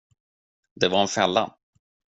Det var en fälla.